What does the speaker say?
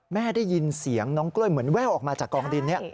ได้ยินเสียงน้องกล้วยเหมือนแว่วออกมาจากกองดิน